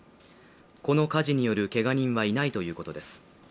この火事によるけが人はいないということです。